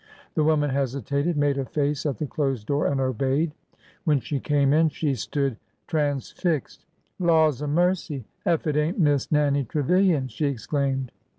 The woman hesitated, made a face at the closed door, and obeyed. When she came in, she stood transfixed. '' Laws a mercy ! Ef it ain't Miss Nannie Trevilian 1 " she exclaimed.